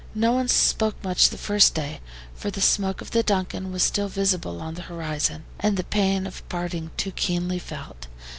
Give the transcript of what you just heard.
No one spoke much the first day, for the smoke of the DUNCAN was still visible on the horizon, and the pain of parting too keenly felt.